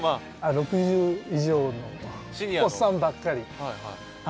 ６０以上のおっさんばっかり。